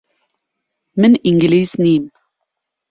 من ئینگلیز نیم.